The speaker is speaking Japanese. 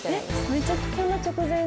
めっちゃこんな直前に！？